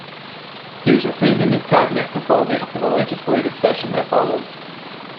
He was retained in his cabinet portfolio for the legislative session that followed.